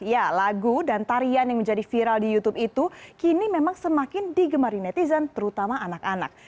ya lagu dan tarian yang menjadi viral di youtube itu kini memang semakin digemari netizen terutama anak anak